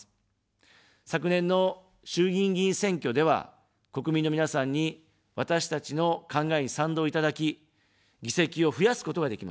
昨年の衆議院議員選挙では、国民の皆さんに、私たちの考えに賛同いただき、議席を増やすことができました。